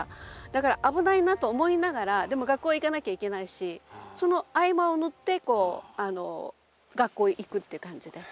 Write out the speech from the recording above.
だから危ないなと思いながらでも学校へ行かなきゃいけないしその合間を縫ってこう学校へ行くっていう感じで。